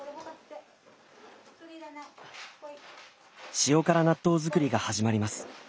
塩辛納豆造りが始まります。